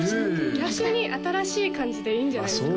逆に新しい感じでいいんじゃないですか？